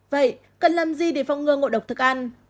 vậy cần làm gì để phong ngừa ngộ độc thực ăn